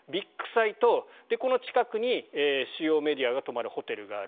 この近くに主要メディアが泊まるホテルがある。